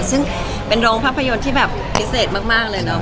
ซึ่งเป็นโรงภาพยนตร์ที่แบบพิเศษมากเลยเนาะ